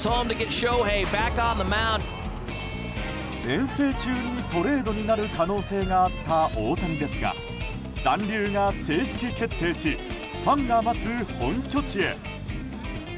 遠征中にトレードになる可能性があった大谷ですが残留が正式決定しファンが待つ本拠地へ。